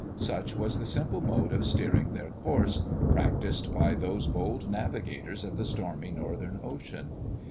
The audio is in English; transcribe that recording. Such was the simple mode of steering their course, practised by those bold navigators of the stormy northern ocean.